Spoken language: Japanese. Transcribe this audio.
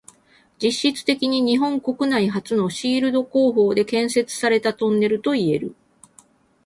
実質的に日本国内初のシールド工法で建設されたトンネルといえる。